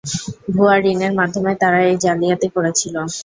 ভুয়া ঋণের মাধ্যমে তারা এই জালিয়াতি করেছিল।